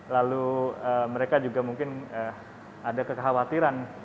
lalu mereka juga mungkin ada kekhawatiran